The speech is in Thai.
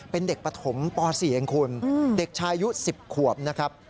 เป็นเด็กปฐมป๔เองคุณเด็กชายอายุ๑๐ขวบนะครับ